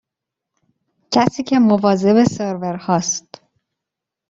کسی که مواظب سرورها است.